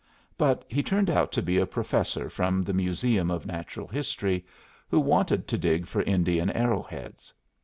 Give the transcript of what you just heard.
But he turned out to be a professor from the Museum of Natural History, who wanted to dig for Indian arrow heads.